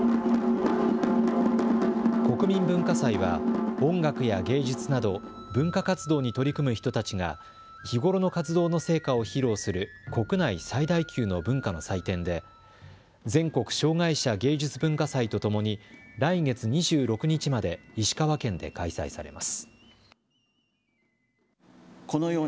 国民文化祭は音楽や芸術など、文化活動に取り組む人たちが、日ごろの活動の成果を披露する国内最大級の文化の祭典で、全国障害者芸術・文化祭とともに、来月２６日まで石川県で開催されます。